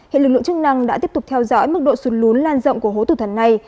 hiện lực lượng chức năng đã tiếp tục theo dõi mức độ sụt lún lan rộng của hố tử thần này